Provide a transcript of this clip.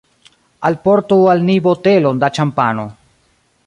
Alportu al ni botelon da ĉampano.